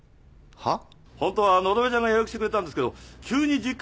はっ？